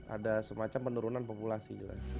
ada semacam penurunan populasi